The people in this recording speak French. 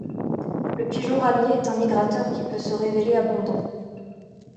Le pigeon ramier est un migrateur qui peut se révéler abondant.